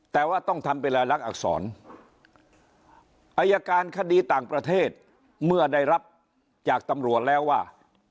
แต่ว่าต้องทำเป็นรายลักษรอายการคดีต่างประเทศเมื่อได้รับจากตำรวจแล้วว่า